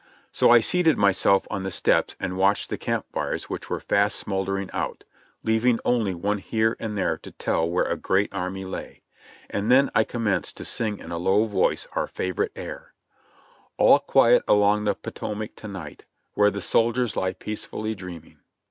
So I seated myself on the steps and watched the camp fires which were fast smouldering out, leaving only one here and there to tell where a great army lay. And then I commenced to sing in a low voice our favorite air : "All quiet along the Potomac to night, Where the soldiers lie peacefully dreaming."